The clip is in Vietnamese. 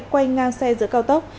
quay ngang xe giữa cao tốc